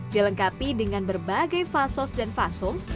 dilengkapi dengan berbagai fasos dan fasum